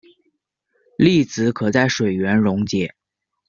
粒子可在水源溶解。